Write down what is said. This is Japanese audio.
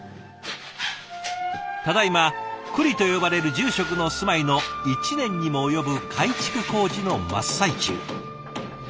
ただいま庫裏と呼ばれる住職の住まいの１年にも及ぶ改築工事の真っ最中。